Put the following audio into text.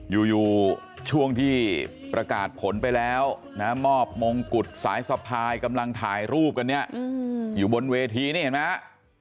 อยู่ช่วงที่ประกาศผลไปแล้วนะมอบมงกุฎสายสะพายกำลังถ่ายรูปกันเนี่ยอยู่บนเวทีนี่เห็นไหมฮะ